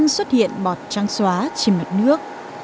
xuất hiện bọt trắng xóa trên mặt nước